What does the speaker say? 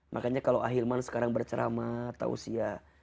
makanya kalau ahilman sekarang berceramat tausia